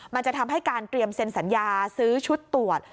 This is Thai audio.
มันจะทำให้การเตรียมเซ็นสัญญาซื้อชุดตรวจ